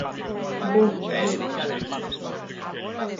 Ven, Luísa...